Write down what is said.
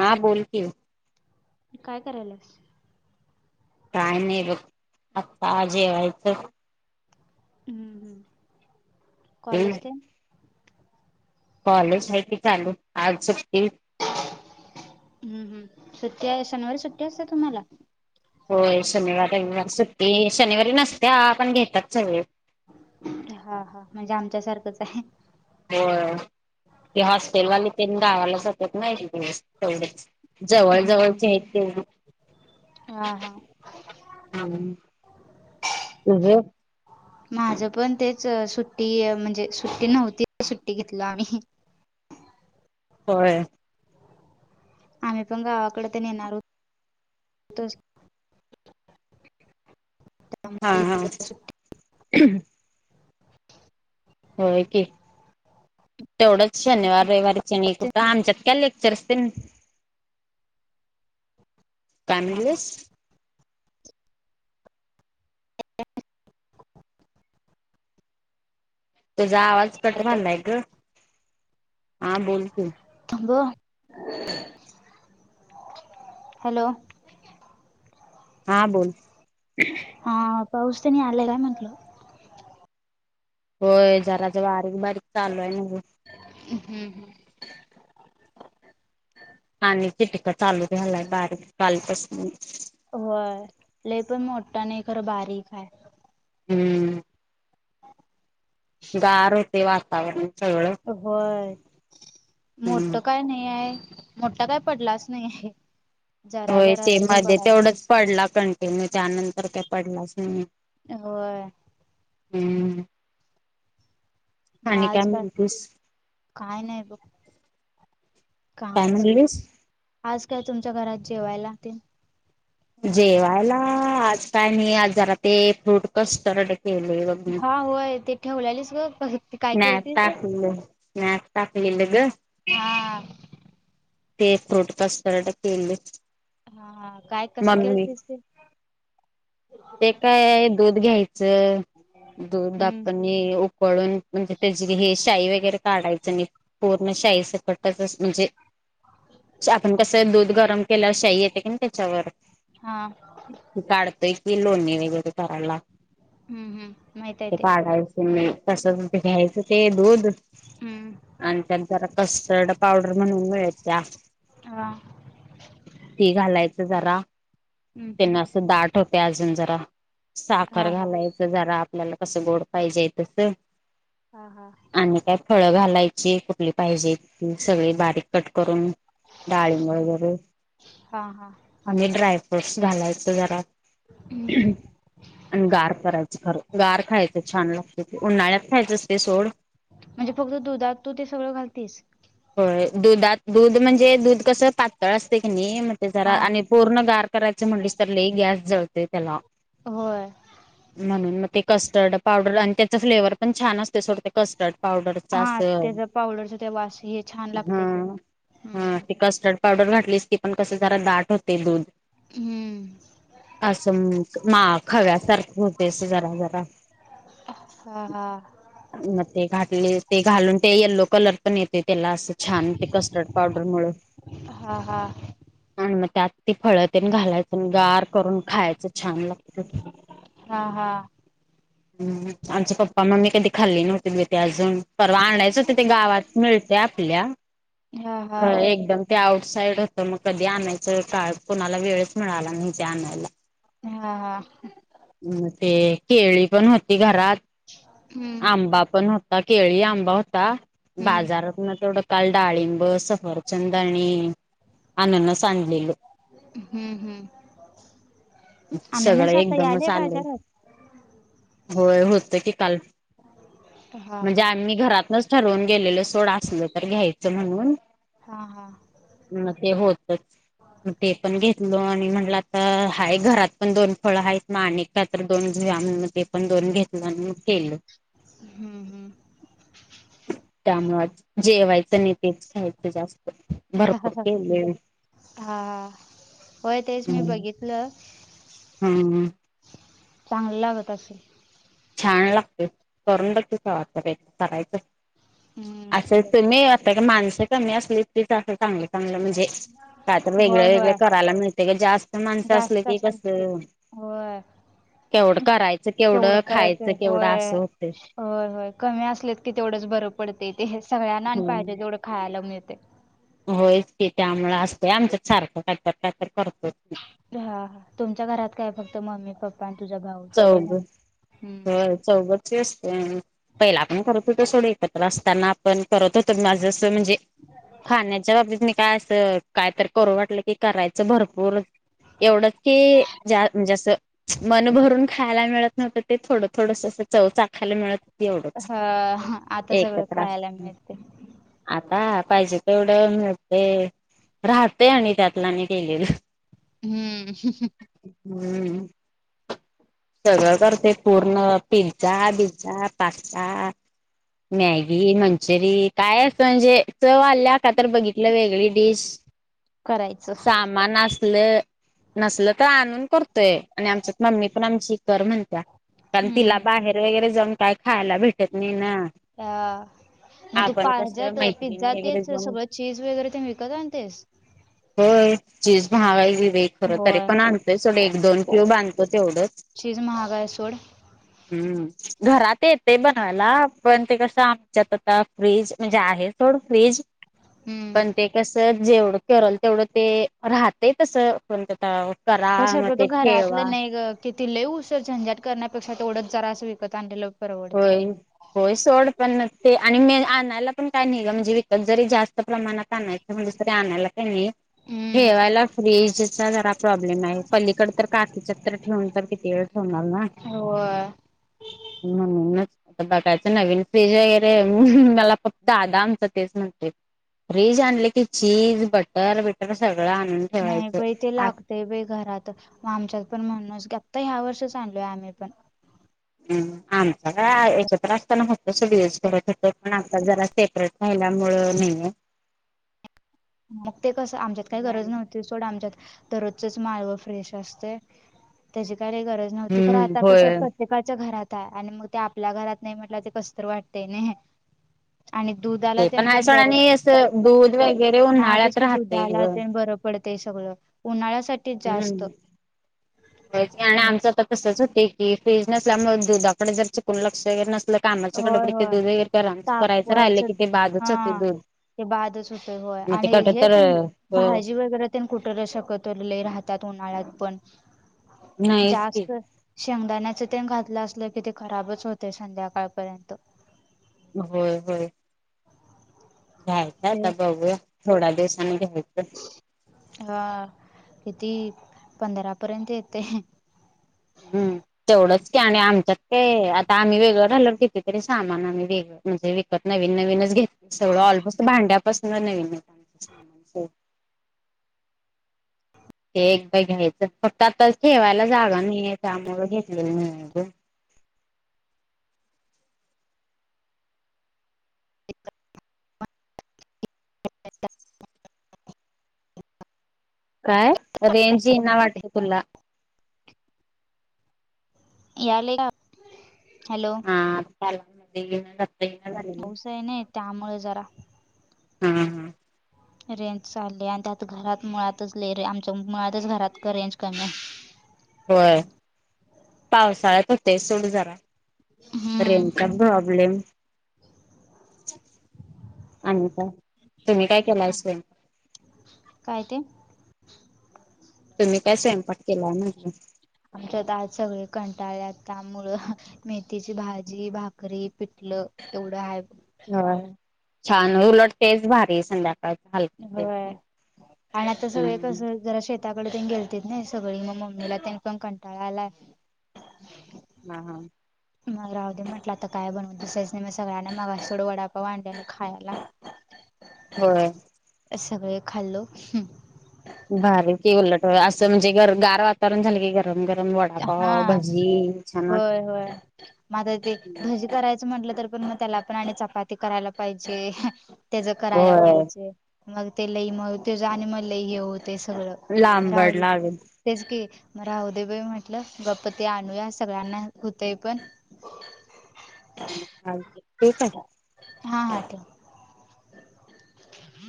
हा बोल की काय करायलास? काय नाही बघ आत्ता जेवायचं हम्म हम्म कॉलेज तेन कॉलेज हाय की चालू आज सुट्टी हम्म हम्म सुट्टी हाय शनिवारी सुट्टी असत्या तुम्हाला होय शनिवार रविवार सुट्टी शनिवारी नसत्या पण घेत्यात सगळे हा हा म्हणजे आमच्या सारखंच हाय होय ते हॉस्टेलवाले तेन गावाला जातात नाही एक दिवस तेवढच जवळ हम्म हम्म. जवळची आहेत तेवढी हा हा. हा तुझं? माझ पण तेच सुट्टी म्हणजे सुट्टी नव्हती सुट्टी घेतल्या आम्ही होय आम्हीपण गावाकडं तेन येणार हुतोच हा त्यामुळे हा इकडे सुट्टी होय की तेवढंच शनिवार रविवारी कुठं आमच्यात काय लेक्चर्स तेन काय म्हणलीस? तुझा आवाज कट हॅलो व्हालाय ग हा बोल की बोल हॅलो हा बोल हा पाऊस तेन आलाय काय म्हंटलं? होय जरा जरा बारीक बारीक चालू हाय न्हवं हम्म हम. आणि चीटकट चालू झालाय बारवी कालपासून. होय ले पण मोठा नाही खरं बारीक आहे. हम्म. गार ते वातावरण सगळं. होय हम्म मोठ काय नाही आहे, मोठा काय पडलाच नाही आहे. जरा होय ते जरासच मध्ये पडायला. तेवढंच पडला कंटिन्यू त्यानंतर काय पडलाच नाही. होय. हम्म! मग आणि काय आजकाल म्हणतीस काय नाही बघ. काय कामच की म्हणलीस आज काय तुमच्या घरात जेवायला तेन? जेवायला आज काय मी जरा ते फ्रूट कस्टर्ड केलोय बग. हा होय ते ठेवलालीस ग काय केल स्नॅप तीस. [unintelligible] [unintelligible] टाकलेलं ग! हा. ते फ्रूट कस्टर्ड केेले‌. हा हा काय कसं केलं तेस ते? ते काय आहे दूध घ्यायचं. दूध हम्म आपण हे उकळून म्हणजे त्याची हे शाई वगैरे काढायचं नाही पूर्ण शाई सकटच म्हणजे, च्याआपण कसं दूध गरम केल्यावर शाही येते की नाही त्याच्यावर. हा. काढतोय कि लोनणी वगैरे करायला. हम्म हम माहितीये ते, तसं घ्यायचं ते दूध. हम्म. आणि त्या जरा कस्टर्ड पावडर म्हणून मिळत्या. हा. ते घालायचं जरा. हम्म हम्म त्यांना असं दाट होते अजून जरा हा साखर हा घालायचं. जरा आपल्याला कसं गोड पाहिजे आहे तस. हा हा. आणि काय फळं घालायची कुठली पाहिजे त सगळी बारीक. कट करून डाळीब वगैरे, हा हा आणि ड्राय फ्रूट्स घालायच जरा. हम्म हम्म [inaudible] आणि गार करायचं खरं गार खायचं छान लागत ते उन्हाळ्यात खायचं असते ते सोड. म्हणजे फक्त दुधात तू ते सगळं घालतीस. हो दुधात दूध म्हणजे दूध कसं पातळ असते की नाही मग ते जरा हा आणि पूर्ण गार करायचं म्हणलीस तर ल गॅस जळते त्याला. होय. म्हणून मग ते कस्टर्ड पावडर आणि त्याच फ्लेवरर पण छान असते सोडते कस्टर्ड पावडर. हा त्याचा पावडरच त्या वास हे छान हा लागते ते हम्म हा हम्म ती कस्टर्ड पावडर घातलीस की पण कस जरा दाट होते दूध हम्म असं मा खव्यासारखे होतय अस जरा जरा हा हा मग ते घातले ते घालून ते यलो कलर पण येते त्याला असं छान ते कस्टर्ड पावडर मुळं हां आणि मग त्यात त फळ तेन घालायचं गार करून खायचं छान लागत [inaudible] हा हा हम् आमचे पप्पा मम्मी कधी खाल्ली नव्हती बई ते अजून परवा आणायच होते ते गावात मिळ ते आपल्या हा हा खरं एकदम ते आउट साईड होतं मग कधी आणायचं काळ कोणाला वेळच मिळाला नाही ते आणायला हा हा अ ते केळी पण होती घरात हम्म आंबा पण होता केळी आंबा होता हम्म बाजारातनं तेवढं काल, डाळिंब, सफरचंद आणि अननस आणलेलं हम्म हम्म सगळं अननस आता एकदमच यालय आलंय बाजारात होय होतं की काल हा म्हणजे हा आम्ही घरातनच ठरवून गेलेलो सोड असलं तर घ्यायचं म्हणून हा हा म ते होतच मग ते पण घेतलो आणि म्हटलं आता हाय घरात पण दोन फळं आहेत मा आणि तर दोन घेऊया म्हणलं ते पण दोन घेतलं अन मग केलं हम्म हम्म त्यामुळ जेवायचं नि तेच खायचं जास्त भरपूर केलय हा हा होय तेच मी बघितलं हम्म हम्म चांगलं लागत असल छान लागतय करून बघ की कवातर करायचं असं हम्म तर मी त्यात माणसं कमी असलीकीच असं चांगलं चांगलं म्हणजे काय तर वेगळ होय वेगळं होय करायला मिळते ग जास्त माणसं असल जास्त की असले कसं होय केवढं करायचं केवढं? खायचं करायचं केवढं होय. असं होतंय. हो होय कमी असलीत की तेवढंच बरं पडतय ते सगळ्यांना आणि पाहिजे हम्म. खायाला मिळतय होयच की त्यामुळ असतय आमच्यात सारखं कायतर कायतर करतोच मी हा तुमच्या घरात काय फक्त मम्मी, पप्पा आणि तुझा भाऊ तिघजणं चौघचं असतोय आम्ही पहिला पण करत होतो सोड एकत्र असताना आपण करत होतो माझं म्हणजे खाण्याच्या बाबतीत मी काय असं काय तर करू वाटलं की करायचं भरपूर एवढंच की ज्या म्हणजे असं मन भरून खायाला मिळत नव्हतं ते थोडं थोडस चव चाखायला मिळत एवढच ह आता सगळं एकत्र खायला असत ना मिळते आता पाहिजे तेवढं मिळतय. राहतय आणि त्यातला आणि केलेल हम्म [unintelligible] सगळं करत्यात पूर्ण पिंझा बिंझा पास्ता मॅगी मंचुरी काय अस म्हणजे चव आल्या का तर बघितलं वेगळी डिश करायचं सामान अस ल नसल तर आणून करतोय आणि आमच्यात मम्मी पण आमची कर म्हणत्या कारण तिला हम्म बाहेर वगैरे जाऊन काय खायला भेटत नय ना आ म तू आपण पा कसं ह्याज्यात मैत्रिणी पिझ्झा वगैरे तेच जाऊन सगळं चीज वगैरे तेनं विकत आणतेस. होय चीज महाग हाय वी वय खरं तरी होय पण आणतोय सोड एक दोन क्यूब आणतो तेवढं चीज महाग हाय सोड हम्म घरात येतय बनवायला पण ते कसं आमच्यात आता फ्रीज म्हणजे आहे सोड फ़्रिज हम्म पण ते कसं जेवढं करल तेवढं ते राहतय तसं कोणत [unintelligible] कशा कतो घरातलं नाई ग किति लय उशर झंझाट करण्यापेक्षा तेवढंच जरा असं विकत आणलेलं परवडते होय. होय सोड पण ते आणि मी आणायला पण काय नाय ग म्हणजे विकत जरी जास्त प्रमाणात आणाय त म्हणालीस तरी आणायला लागतंय नी हम्म ठेवायला फ्रीजचा जरा प्रॉब्लेम हाय पलीकड तर काकीच्यात तर ठेवून तर किती वेळ ठेवणार ना होय. म्हणूनच आता बघायच नवीन फ़्रिज ये रे मला फक्त आदा आमचा तेच म्हणतोय. फ्रीज आणल की चीज, बटर बिटर सगळं आणून नाय ठेवायचं बाई ते लाग तय बय घरात म आमच्यात पण म्हणूनस आता ह्या वर्षीच आणलोय आम्ही पण हम्म आमचा काय एकत्र असताना होत सगळच घरात होत पण आता जरा सेपरेट राहिल्यामुळ नाहीये. मग ते कसं आमच्यात काय गरज नव्हती. ती सोड आमच्यात दररोजचच माळव फ्रेश असतय त्याची काय न गरज नव्हती खर हम्म आता कसं होय पण त्येकाच्या घरात हाय आणि म ते आपल्या घरात नाय म्हटल्यावरती कसतर वाटतय नय. आणि दुधाला तेन पण बर पड त दूध वगैर हा तेच की दुधाला तेन बरं पडतंय सगळं उन्हाळ्यासा हम्म होयच की आणि आमचं त तसच होतय की फ्रीज नसल्यामुळे दुधाकड जर चुकून लक्ष वगैरे नसल कामाच्या होय गडबडीत ते होय दूध वगैरे गरमच करायचं राहिलं तापवायचं की ते बाद च हा होतय दूध. ते बादच होतय होय मग ते आणि कट हे तर तेनं हो भाजी वगैरे पण कुठ र शकत लय राहतात उन्हाळ्यात पण नाहीच की जास्त शेंगदाण्याच तेन घातलं असलं की ते खराबच होतय संध्याकाळपर्यंत व्हय व्हय! [inaudible] घ्यायच आता ते बघूया थोड्या दिवसांनी घ्यायच. हा किती पंधरापर्यंत येते. हम्म तेवढंच की आणि आमच्यात ते आता आम्ही वेगळं राहिलो किती तिन्ही सामान आणाय गेलं म्हणजे विकत नवीन नवीनच घेत सगळं ऑलमोस्ट भांड्यापासून नवीन अच्छा, हो! ते एकदा घ्यायचं फक्त आता ठेवायला जागा नाही आहे त्यामुळं घेतलेलं नाही गं. [inaudible] काय रेंज येईना वाटत तुला. यालय का? हॅलो! हा आता आली [unintelligible] पाऊस हाय न्हाय त्यामुळं जरा हम्म हम्म! रेंज चालले आणि त्यात घरात मुळातच लय रे आमच्या मुळातच घरात रेंज कमी आहे. व्हय पावसाळ्यात होतयच सोड जरा. हम्म रेंजचा प्रॉब्लेम. आणि काय तुम्ही काय केला असेल? काय ते? तुम्ही काय स्वयंपाक केला नाही. आमच्यात आज सगळी कंटाळल्यात त्यामुळं मेथीची भाजी भाकरी पिठलं एवढं आहे. नव्ह, छान उलट तेच भारी संध्या व्हय आणि आता सगळे हम्म कसं जरा शेताकडे तेन गेलतीत नाय सगळी मग मम्मीला तेन पण कंटाळा आलाय. हा हा! मग राहूद्या म्हटलं आता काय बनवत बसायचं न्हाय मग सगळ्यांना मवासोड वडापाव आणल्याला खायला. व्हय! सगळे खाल्लो भारी की उलट असं म्हणजे गर गार वातावरण झालं गरम गरम वाट हा होय होय म आता ते भजी करायच च म्हटलं तर पण मग त्याला पण आणि चपाती करायला पाहिजे तेझ करायला होय पाहिजे. मग ते लय मग तेझ आणि म लय हे होतय सगळं म लांबड राहीली. लागल तेच की म राहूदे बाई म्हटलं गप्प ते आणूया सगळ्यांना होतंय पण चल ठीक हाय. हा!